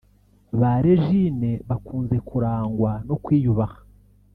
Ba Regine bakunze kurangwa no kwiyubaha